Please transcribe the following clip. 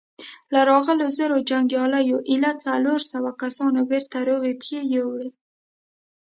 له راغلو زرو جنګياليو ايله څلورو سوو کسانو بېرته روغي پښې يووړې.